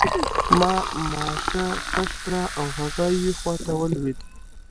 ما ماشه کش کړه او هغه یوې خواته ولوېد